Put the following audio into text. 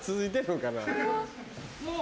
もう。